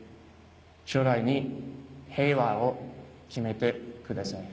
将来に平和を決めてください。